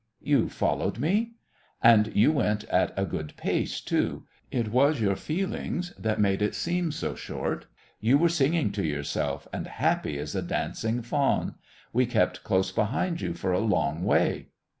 "You followed me!" "And you went at a good pace too. It was your feelings that made it seem so short you were singing to yourself and happy as a dancing faun. We kept close behind you for a long way."